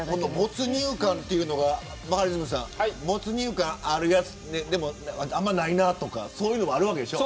没入感というのはバカリズムさん没入感あるやつあんまりないなとかあるわけでしょ。